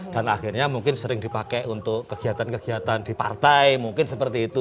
dan akhirnya mungkin sering dipakai untuk kegiatan kegiatan di partai mungkin seperti itu